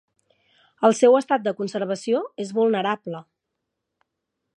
El seu estat de conservació és vulnerable.